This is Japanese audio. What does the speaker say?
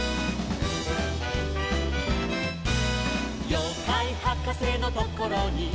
「ようかいはかせのところに」